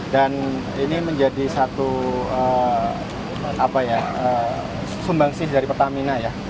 dan ini menjadi satu sumbangsih dari pertamina ya